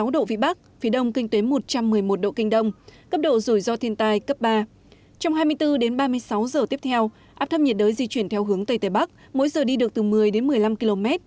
dự báo trong hai mươi bốn giờ tới áp thất nhiệt đới di chuyển theo hướng tây tây bắc mỗi giờ đi được một mươi năm hai mươi km